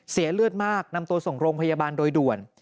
เสียเลือดมากนำตัวส่งโรงพยาบาลโดยด่วน